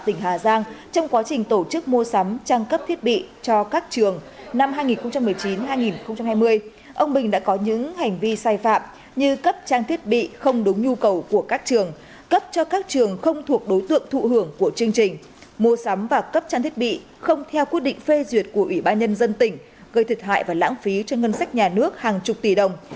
trong quá trình tổ chức mua sắm trang cấp thiết bị cho các trường năm hai nghìn một mươi chín hai nghìn hai mươi ông bình đã có những hành vi sai phạm như cấp trang thiết bị không đúng nhu cầu của các trường cấp cho các trường không thuộc đối tượng thụ hưởng của chương trình mua sắm và cấp trang thiết bị không theo quyết định phê duyệt của ủy ban nhân dân tỉnh gây thịt hại và lãng phí cho ngân sách nhà nước hàng chục tỷ đồng